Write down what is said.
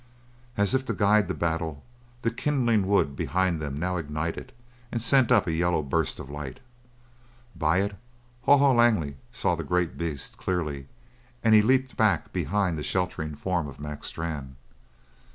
As if to guide the battle, the kindling wood behind them now ignited and sent up a yellow burst of light. By it Haw Haw Langley saw the great beast clearly, and he leaped back behind the sheltering form of Mac Strann.